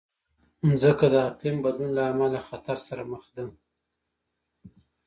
مځکه د اقلیم بدلون له امله له خطر سره مخ ده.